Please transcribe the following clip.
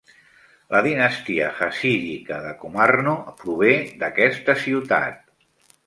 La dinastia Hassídica de Komárno prové d'aquesta ciutat.